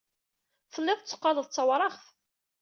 Tellid tetteqqaled d tawraɣt.